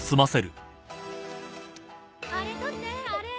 ・あれ取ってあれ。